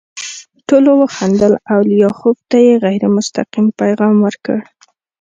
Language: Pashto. ټولو وخندل او لیاخوف ته یې غیر مستقیم پیغام ورکړ